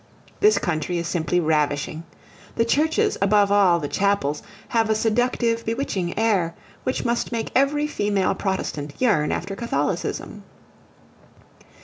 This country is simple ravishing. The churches above all, the chapels have a seductive, bewitching air, which must make every female Protestant yearn after Catholicism.